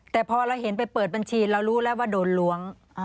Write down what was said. แต่พอเราเห็นไปเปิดบัญชีเรารู้แล้วว่าโดนล้วง